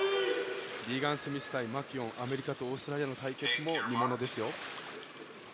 リーガン・スミス対マキュオンアメリカとオーストラリアの対決も見ものです。